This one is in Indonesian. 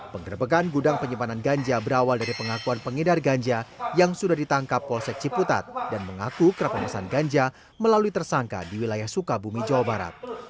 penggerbekan gudang penyimpanan ganja berawal dari pengakuan pengedar ganja yang sudah ditangkap polsek ciputat dan mengaku kerap memesan ganja melalui tersangka di wilayah sukabumi jawa barat